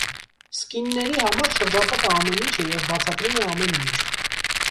Սկինների համար «շրջապատը ամեն ինչ է և բացատրում է ամեն ինչ»։